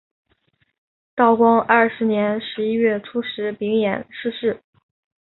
道光二十年十一月初十丙寅逝世。